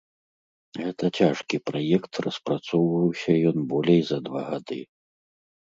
Гэта цяжкі праект, распрацоўваўся ён болей за два гады.